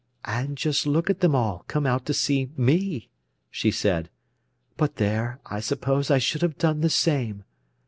"And just look at them all come out to see me!" she said. "But there, I suppose I should have done the same.